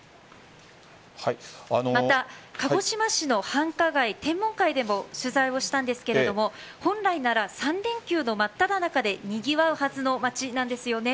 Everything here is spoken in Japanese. また、鹿児島市の繁華街でも取材をしたんですが本来なら３連休の真っただ中でにぎわうはずの街なんですよね。